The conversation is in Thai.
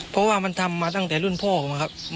เพราะว่ามันทำมาตั้งแต่รุ่นพ่อผมครับ